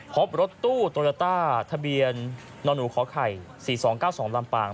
พบรถตู้โตโยต้าทะเบียนนหนูขอไข่๔๒๙๒ลำปาง